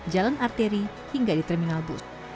jalan arteri hingga di terminal bus